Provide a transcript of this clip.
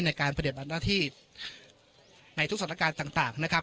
ในการประเด็นบัตรหน้าที่ในทุกสถานการณ์ต่างต่างนะครับ